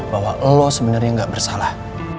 bahwa lo sebenarnya nggak bersalah